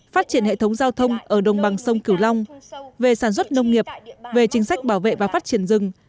phát triển hệ thống giao thông ở đồng bằng sông cửu long về sản xuất nông nghiệp về chính sách bảo vệ và phát triển rừng